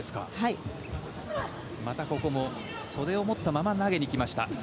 またここも袖を持ったまま投げに来ました。